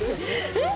えっ！？